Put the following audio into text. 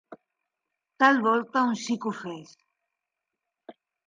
...tal volta un xic ofès